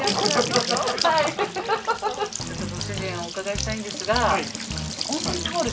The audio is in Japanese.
ちょっとご主人お伺いしたいんですが。